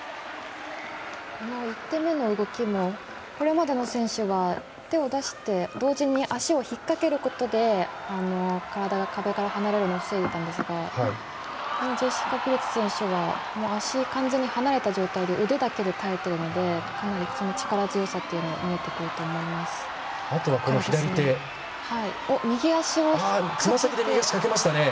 この１手目の動きもこれまでの選手は、手を出して同時に足を引っ掛けることで体が壁から離れるのとを防いでいたんですがジェシカ・ピルツ選手は完全に足が離れた状態で腕だけで耐えているのでかなり力強さというのが右足をかけました。